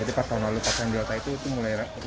jadi pas tahun lalu pas yang delta itu mulai rame